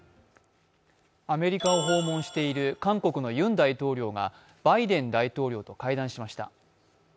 アメリカを訪問している韓国のユン大統領がバイデン大統領と会談しました。